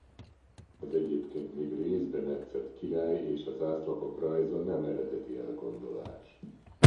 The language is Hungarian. Az egyébként még rézbe metszett király és az ász lapok rajza nem eredeti elgondolás.